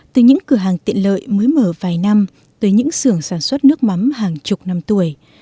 từ những cửa hàng tiện lợi mới mở vài năm tới những xưởng sản xuất nước mắm hàng chục năm tuổi